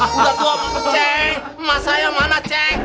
sudah tua ceng masa yang mana ceng